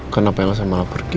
kenapa yang lesa malah pergi